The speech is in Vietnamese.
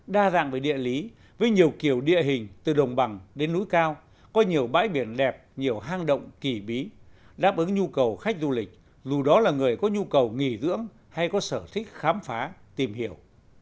đa dạng về địa lý với nhiều kiểu địa hình từ đồng bằng đến núi cao có nhiều bãi biển đẹp nhiều hang động kỳ bí đáp ứng nhu cầu khách du lịch dù đó là người có nhu cầu nghỉ dưỡng hay có sở thích khám phá tìm hiểu